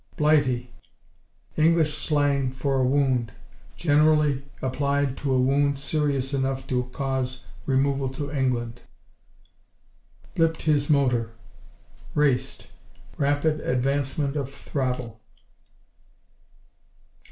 Blighty English slang for a wound. Generally applied to a wound serious enough to cause removal to England. Blipped his motor Raced; rapid advancement of throttle.